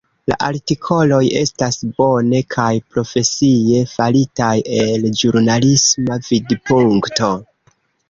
La artikoloj estas bone kaj profesie faritaj el ĵurnalisma vidpunkto.